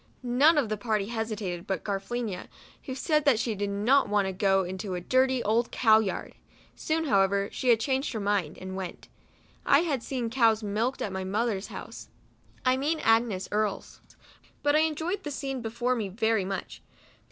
None of the party hesitated but Garafe lina, who said that she did not want to go into a dirty old cow yard. Soon, however, she changed her mind, and went. I had seen cows milked at my mother's house, (I mean Agnes Earle's) ; but I enjoyed the scene before me very much.